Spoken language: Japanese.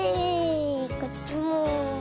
こっちも。